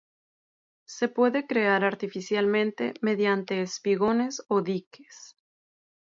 Se puede crear artificialmente mediante espigones o diques.